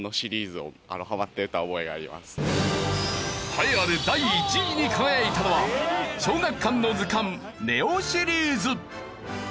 栄えある第１位に輝いたのは『小学館の図鑑ＮＥＯ』シリーズ。